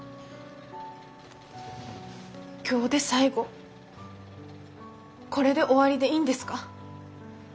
今日で最後これで終わりでいいんですか？